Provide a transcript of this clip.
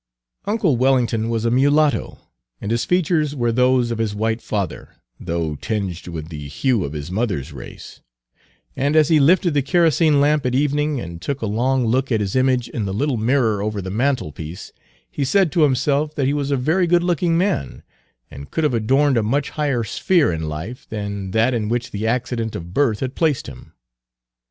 Uncle Wellington was a mulatto, and his features were those of his white father, though tinged with the hue of his mother's race; and as he lifted the kerosene lamp at evening, and took a long look at his image in the little mirror over the mantelpiece, he said to himself that he was a very good looking man, and could have adorned a much higher sphere in life than that in which the accident of birth had placed him.